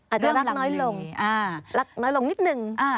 อาจจะรักน้อยลงรักน้อยลงนิดนึง